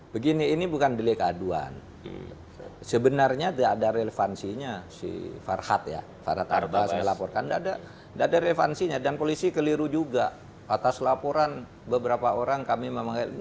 begini ini bukan beli keaduan sebenarnya tidak ada relevansinya si farhad ya farhad ardhafas melaporkan tidak ada relevansinya dan polisi keliru juga atas laporan beberapa orang yang berkata ini adalah kasus ratna ini